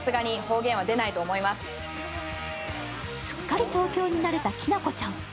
すっかり東京に慣れた、きなこちゃん。